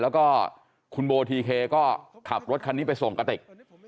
แล้วก็คุณโบทีเคก็ขับรถคันนี้ไปส่งกระติก